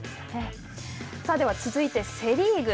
さあ、では、続いてセ・リーグ。